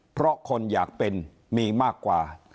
เพราะคนอยากเป็นมีมากกว่า